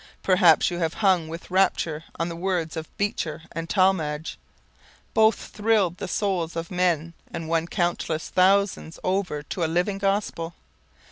Perhaps you have hung with rapture on the words of Beecher and Talmage. Both thrilled the souls of men and won countless thousands over to a living gospel.